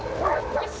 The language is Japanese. よし。